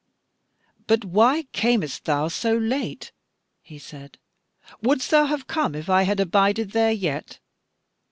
"But why camest thou so late?" said he; "Wouldst thou have come if I had abided there yet?"